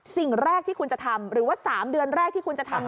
สิ่งแรกที่คุณจะทำหรือว่า๓เดือนแรกที่คุณจะทำ